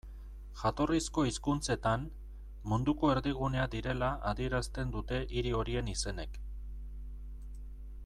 Jatorrizko hizkuntzetan, munduko erdigunea direla adierazten dute hiri horien izenek.